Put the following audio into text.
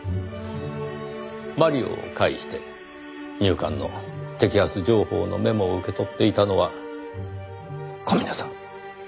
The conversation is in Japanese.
マリオを介して入管の摘発情報のメモを受け取っていたのは小峰さん